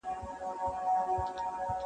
چي یې ستا له زخمه درد و احساس راکړ-